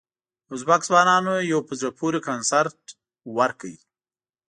ازبک ځوانانو یو په زړه پورې کنسرت ورکړ.